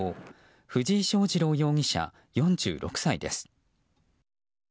藤井祥次郎容疑者、４６歳です。